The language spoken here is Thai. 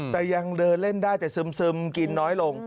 แต่ยังเดินเล่นได้แต่ซึมกินน้อยลง